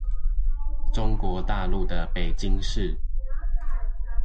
中國大陸的北京市